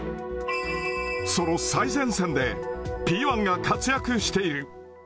その最前線でＰー１が活躍している。